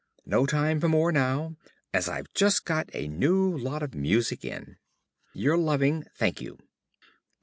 No time for more now, as I've just got a new lot of music in. Your loving, ~Thankyou.